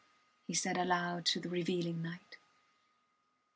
he said aloud to the revealing night.